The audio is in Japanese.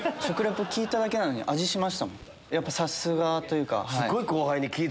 やっぱさすがというか。